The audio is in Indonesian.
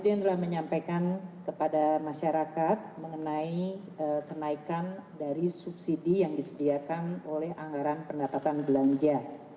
presiden telah menyampaikan kepada masyarakat mengenai kenaikan dari subsidi yang disediakan oleh anggaran pendapatan belanja